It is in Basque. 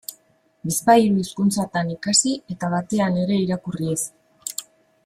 Bizpahiru hizkuntzatan ikasi eta batean ere irakurri ez.